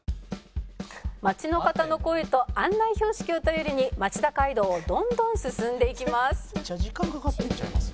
「街の方の声と案内標識を頼りに町田街道をどんどん進んでいきます」